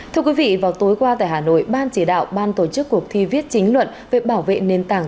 thưa quý vị vào tối qua tại hà nội ban chỉ đạo ban tổ chức cuộc thi viết chính luận về bảo vệ nền tảng